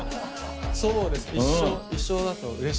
そうです一緒。